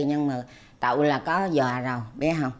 nhưng mà tậu là có giờ rồi biết không